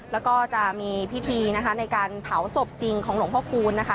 แล้วก็จะมีพิธีนะคะในการเผาศพจริงของหลวงพ่อคูณนะคะ